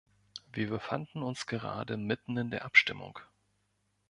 Wir befanden uns gerade mitten in der Abstimmung.